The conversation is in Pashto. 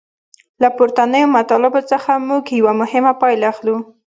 له پورتنیو مطالبو څخه موږ یوه مهمه پایله اخلو.